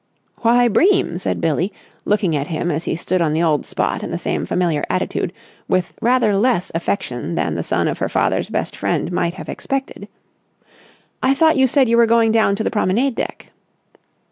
"Why, Bream!" said Billie looking at him as he stood on the old spot in the same familiar attitude with rather less affection than the son of her father's best friend might have expected. "I thought you said you were going down to the promenade deck.